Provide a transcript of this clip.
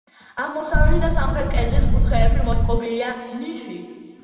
აღმოსავლეთ და სამხრეთ კედლის კუთხეებში მოწყობილია ნიში.